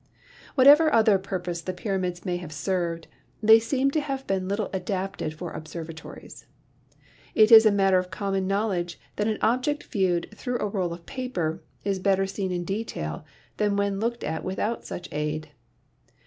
Whatever other purpose the pyramids may have served, they seem to have been little adapted for observatories. It is a matter of common knowledge that an object viewed through a roll of paper is better seen in detail than when looked at without such aid.